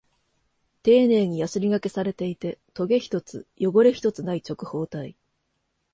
丁寧にヤスリ掛けされていて、トゲ一つ、汚れ一つない直方体。